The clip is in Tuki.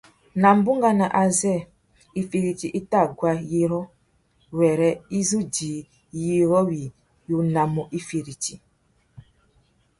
Nà bunganô azê « ifiriti i tà guá yirô » wêrê i zu djï yirô wí unamú ifiriti.